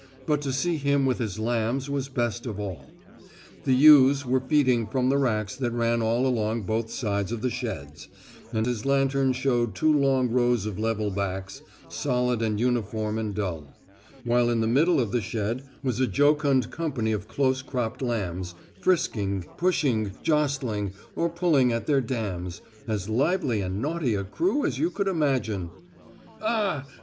But to see him with his lambs was best of all. The ewes were feeding from racks that ran all along both sides of the sheds, and his lantern showed two long rows of level backs, solid and uniform and dull; while in the middle of the shed was a jocund company of close cropped lambs, frisking, pushing, jostling, or pulling at their dams; as lively and naughty a crew as you could imagine. 'Ah!